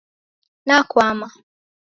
Nakwama